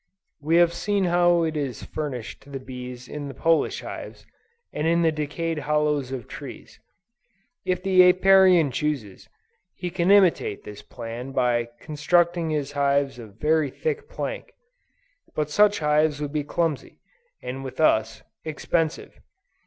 We have seen how it is furnished to the bees in the Polish hives, and in the decayed hollows of trees. If the Apiarian chooses, he can imitate this plan by constructing his hives of very thick plank: but such hives would be clumsy, and with us, expensive.